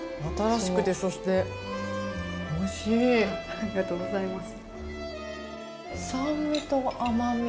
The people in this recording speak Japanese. ありがとうございます。